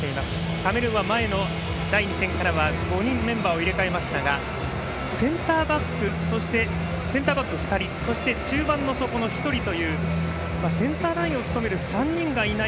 カメルーンは前の第２戦から５人メンバーを入れ替えましたがセンターバック２人そして中盤の底が１人というセンターラインを務める３人がいない。